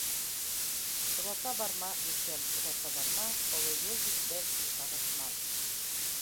Оҙата барма, иркәм, оҙата барма, Оло юл бит, бәлки, аҙашмам